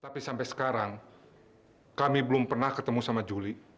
tapi sampai sekarang kami belum pernah ketemu sama juli